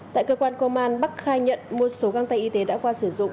tại cơ quan công an bắc khai nhận một số găng tay y tế đã qua sử dụng